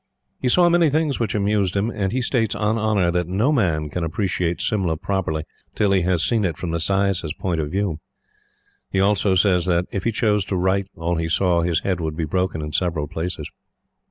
He saw many things which amused him; and he states, on honor, that no man can appreciate Simla properly, till he has seen it from the sais's point of view. He also says that, if he chose to write all he saw, his head would be broken in several places.